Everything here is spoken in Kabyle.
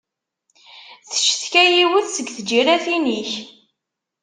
Teccetka yiwet seg tǧiratin-ik.